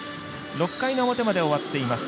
６回の表まで終わっています。